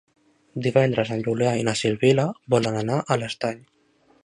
Divendres en Julià i na Sibil·la volen anar a l'Estany.